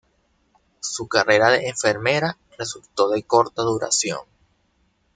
Su carrera de enfermera resultó de corta duración.